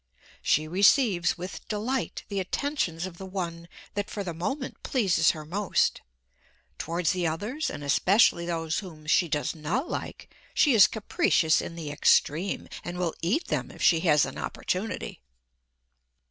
She receives with delight the attentions of the one that for the moment pleases her most; towards the others, and especially those whom she does not like, she is capricious in the extreme, and will eat them if she has an opportunity.